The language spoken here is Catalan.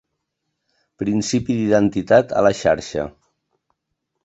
Principi d'identitat a la xarxa.